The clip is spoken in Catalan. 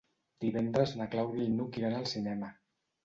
Divendres na Clàudia i n'Hug iran al cinema.